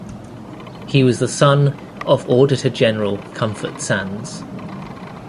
He was the son of Auditor-General Comfort Sands.